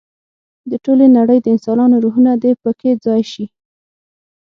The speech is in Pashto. د ټولې نړۍ د انسانانو روحونه دې په کې ځای شي.